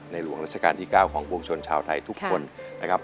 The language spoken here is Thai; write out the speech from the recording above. หลวงราชการที่๙ของปวงชนชาวไทยทุกคนนะครับ